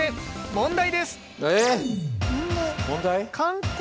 問題？